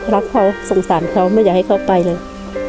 รักเขาสงสารเขาไม่อยากให้เขาไปเลย